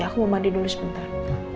aku mau mandi dulu sebentar